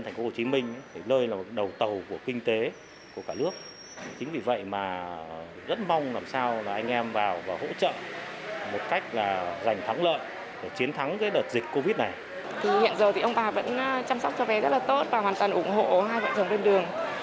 hiện giờ ông bà vẫn chăm sóc cho vầy rất là tốt và hoàn toàn ủng hộ hai vận thống đơn đường